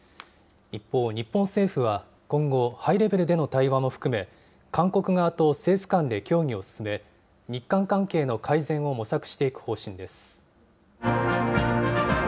一方、日本政府は今後、ハイレベルでの対話も含め、韓国側と政府間で協議を進め、日韓関係の改善を模索していく方針です。